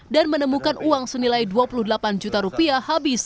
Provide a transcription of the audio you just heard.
dan menemukan uang senilai dua puluh delapan juta rupiah habis